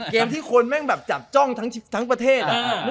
เกมที่ของคนแม่งจับจ้องทั้งประเทศ